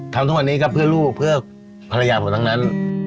ทำทุกวันนี้ก็เพื่อลูกเพื่อภรรยาผมทั้งนั้น